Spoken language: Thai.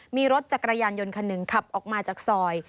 มีรถจักรยานยนต์คันหนึ่งขับออกมาจากซอย